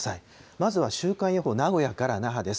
まずは週間予報、名古屋から那覇です。